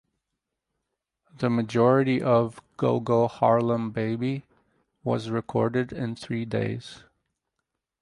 The majority of "Go Go Harlem Baby" was recorded in three days.